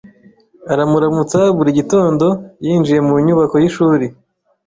Aramuramutsa buri gitondo yinjiye mu nyubako yishuri.